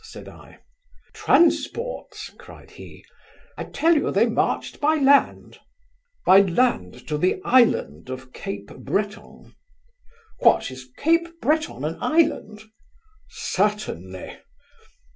(said I)" "Transports (cried he) I tell you they marched by land" "By land to the island of Cape Breton?" "What! is Cape Breton an island?" "Certainly."